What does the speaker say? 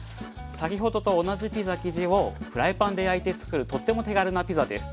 先ほどと同じピザ生地をフライパンで焼いてつくるとっても手軽なピザです。